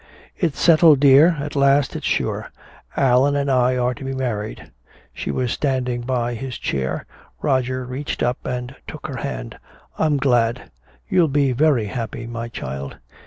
"It's settled, dear, at last it's sure. Allan and I are to be married." She was standing by his chair. Roger reached up and took her hand: "I'm glad. You'll be very happy, my child."